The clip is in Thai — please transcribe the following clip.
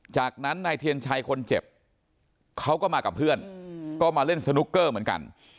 จากนั้นนายเทียนชัยคนเจ็บเขาก็มากับเพื่อนก็มาเล่นสนุกเกอร์เหมือนกัน